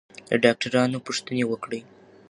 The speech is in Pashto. له ډاکټرانو پوښتنې وکړئ.